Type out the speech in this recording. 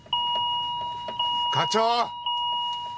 課長！